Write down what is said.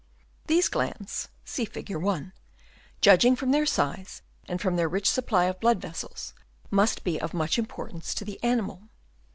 — These glands (see Fig. 1), judging from their size and from their rich supply of blood vessels, must be of much importance to the animal.